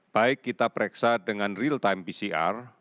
baik kita pereksa dengan real time pcr